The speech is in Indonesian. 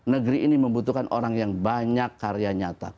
negeri ini membutuhkan orang yang banyak karya nyata